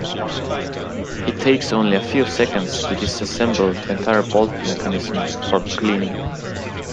It takes only a few seconds to disassemble the entire bolt mechanism for cleaning.